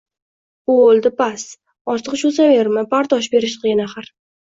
— Bo‘ldi, bas, ortiq cho‘zaverma, bardosh berish qiyin, axir!